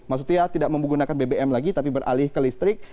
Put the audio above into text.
maksudnya tidak menggunakan bbm lagi tapi beralih ke listrik